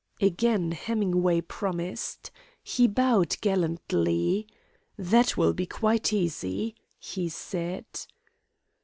Again Hemingway promised. He bowed gallantly. "That will be quite easy," he said.